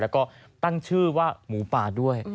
แล้วก็ตั้งชื่อว่าหมูป่าด้วย